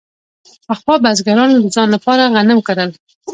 پخوا بزګرانو د ځان لپاره غنم کرل.